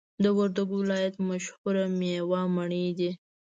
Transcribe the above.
د وردګو ولایت مشهوره میوه مڼی دی